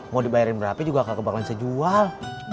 mau dibayarin berapa juga gak kebakalan sejual